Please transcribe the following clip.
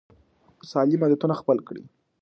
سالم عادتونه خپل کړئ.